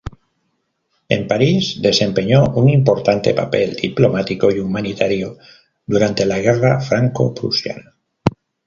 En París, desempeñó un importante papel diplomático y humanitario durante la guerra franco-prusiana.